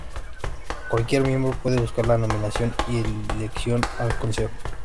Cualquier miembro puede buscar la nominación y elección al Consejo.